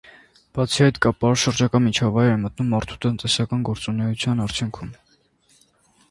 Բացի այդ, կապարը շրջակա միջավայր է մտնում մարդու տնտեսական գործունեության արդյունքում։